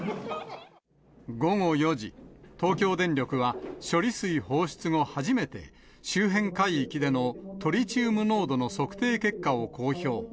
午後４時、東京電力は処理水放出後初めて、周辺海域でのトリチウム濃度の測定結果を公表。